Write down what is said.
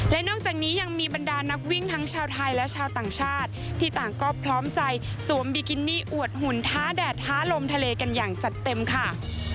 และนอกจากนี้ยังมีบรรดานักวิ่งทั้งชาวไทยและชาวต่างชาติที่ต่างก็พร้อมใจสวมบิกินี่อวดหุ่นท้าแดดท้าลมทะเลกันอย่างจัดเต็มค่ะ